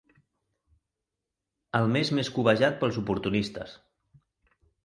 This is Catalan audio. El mes més cobejat pels oportunistes.